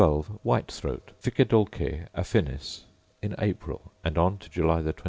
White throat, Ficedulcae affinis: In April and on to July 23.